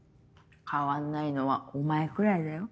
変わんないのはお前くらいだよ。